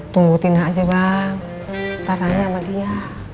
tunggu tina aja bang nanti tanya sama dia